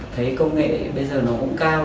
thấy công nghệ bây giờ nó cũng cao